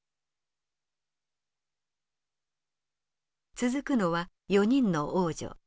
続くのは４人の王女。